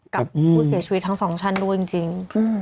กับผู้เสียชีวิตทั้งสองท่านด้วยจริง